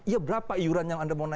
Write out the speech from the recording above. ya berapa iuran yang anda berharap